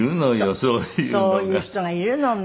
そういう人がいるのね。